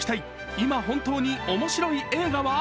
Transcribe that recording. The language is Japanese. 今本当に面白い映画は？